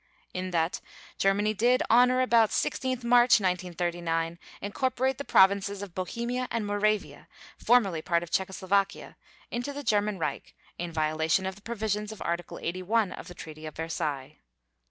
(5) In that Germany did, on or about 16 March 1939, incorporate the Provinces of Bohemia and Moravia, formerly part of Czechoslovakia, into the German Reich in violation of the provisions of Article 81 of the Treaty of Versailles.